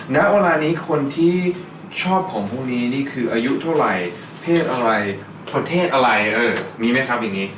ณเวลานี้คนที่ชอบของพวกนี้นี่คืออายุเท่าไหร่เพศอะไรประเภทอะไรมีไหมครับอย่างนี้